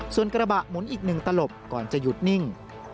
ส่วนกระบะหมุนอีกหนึ่งตลบก่อนจะหยุดนิ่ง